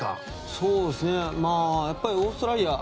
やっぱりオーストラリアは